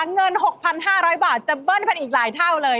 เงิน๖๕๐๐บาทจะเบิ้ลไปอีกหลายเท่าเลย